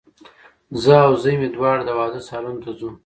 زه او زوی مي دواړه د واده سالون ته ځو